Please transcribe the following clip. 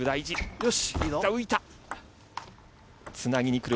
よし。